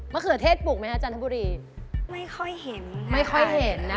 ไม่ค่อยเห็น